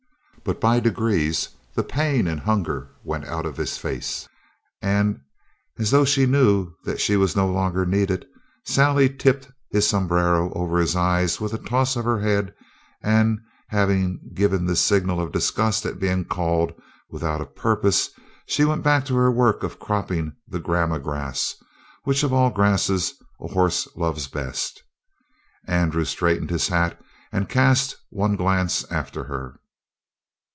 But by degrees the pain and the hunger went out of his face, and, as though she knew that she was no longer needed, Sally tipped his sombrero over his eyes with a toss of her head, and, having given this signal of disgust at being called without a purpose, she went back to her work of cropping the gramma grass, which of all grasses a horse loves best. Andrew straightened his hat and cast one glance after her.